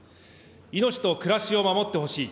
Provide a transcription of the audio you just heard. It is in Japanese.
命と暮らしを守ってほしい。